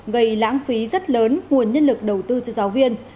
gây lãng phí rất lớn nguồn nhân lực đầu tư cho giáo viên